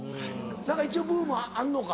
何か一応ブームあるのか？